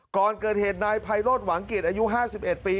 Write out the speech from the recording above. ก่อนเกิดเหตุนายไพโรธหวังกิจอายุ๕๑ปี